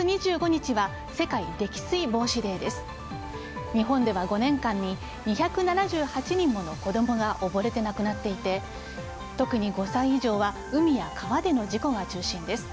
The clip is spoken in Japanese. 日本では５年間に２７８人もの子供がおぼれて亡くなっていて特に５歳以上は海や川での事故が中心です。